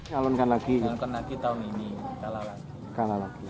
kalonkan lagi tahun ini kalah lagi